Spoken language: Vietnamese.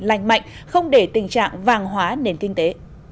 lành mạnh không để tình trạng vàng hóa nền kinh tế